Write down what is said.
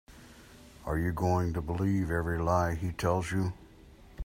Are you going to believe every lie he tells you?